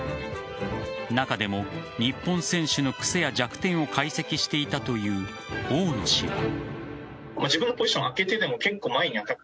中でも日本選手の癖や弱点を解析していたという大野氏は。